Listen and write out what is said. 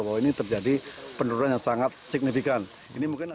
bahwa ini terjadi penurunan yang sangat signifikan